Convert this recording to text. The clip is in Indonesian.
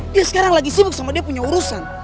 dia sekarang lagi sibuk sama dia punya urusan